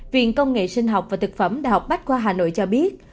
viện công nghệ sinh học và thực phẩm đh bách khoa hà nội cho biết